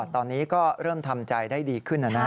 ตอนนี้ก็เริ่มทำใจได้ดีขึ้น